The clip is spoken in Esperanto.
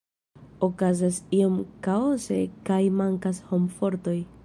Okazas iom kaose kaj mankas homfortoj.